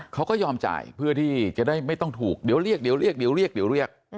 เขาก็ยอมจ่ายเพื่อที่จะได้ไม่ต้องถูกเดี๋ยวเรียก